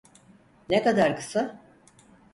Ne kadar kısa?